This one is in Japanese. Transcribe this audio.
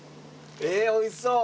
えおいしそう。